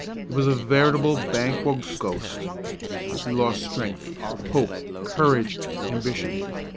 It was a veritable Banquo's ghost. He lost strength, hope, courage, ambition.